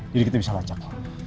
jadi kita bisa lacak